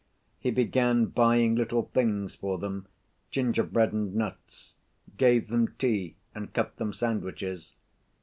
He began buying little things for them, gingerbread and nuts, gave them tea and cut them sandwiches.